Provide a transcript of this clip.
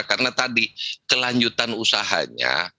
karena tadi kelanjutan usahanya